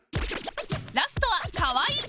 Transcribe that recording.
ラストは河井